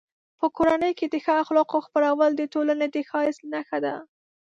په کورنۍ کې د ښو اخلاقو خپرول د ټولنې د ښایست نښه ده.